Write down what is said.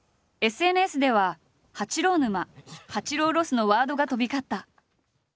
ＳＮＳでは「八郎沼」「八郎ロス」のワードが飛び交った。